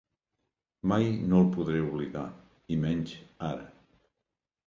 Mai no el podré oblidar, i menys ara.